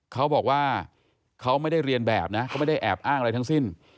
เขาบอกว่าเขาไม่ได้เรียนแบบนะเขาไม่ได้แอบอ้างอะไรทั้งสิ้น